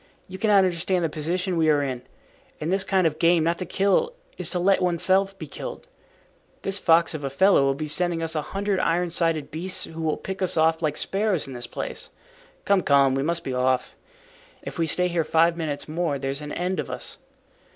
You cannot understand the position we are in. In this kind of game, not to kill is to let one's self be killed. This fox of a fellow will be sending us a hundred iron sided beasts who will pick us off like sparrows in this place. Come, come, we must be off. If we stay here five minutes more there's an end of us."